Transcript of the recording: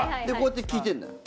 でこうやって聴いてんだ。